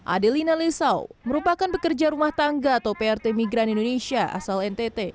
adelina lesau merupakan pekerja rumah tangga atau prt migran indonesia asal ntt